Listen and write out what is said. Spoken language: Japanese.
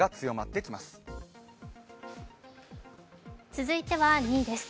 続いては２位です。